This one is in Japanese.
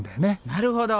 なるほど。